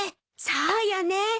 そうよね。